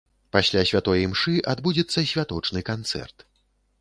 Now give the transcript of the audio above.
Пасля святой імшы адбудзецца святочны канцэрт.